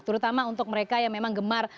terutama untuk mereka yang memang gemar